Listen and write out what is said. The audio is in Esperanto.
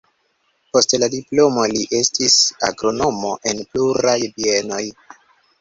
Post la diplomo li estis agronomo en pluraj bienoj.